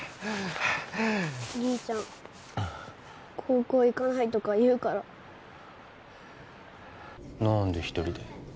兄ちゃん高校行かないとか言うから何で一人で？